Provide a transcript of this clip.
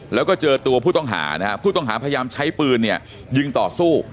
แล้วก็เจอตัวผู้ต้องหานะฮะผู้ต้องหาพยายามใช้ปืนเนี่ยยิงต่อสู้